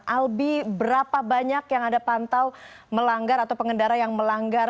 albi berapa banyak yang anda pantau melanggar atau pengendara yang melanggar